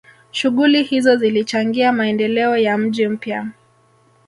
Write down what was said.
shughuli hizo zilichangia maendeleo ya mji mpya